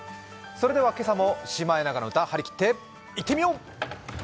それでは今朝も「シマエナガの歌」張り切っていってみよう！